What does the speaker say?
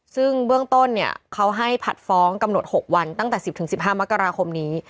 ซึ่งเบื้องต้นเนี่ยเขาให้ผัดฟ้องกำหนด๖วันตั้งแต่๑๐๑๕มกราคมนี้